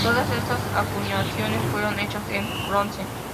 Todas estas acuñaciones fueron hechas en bronce.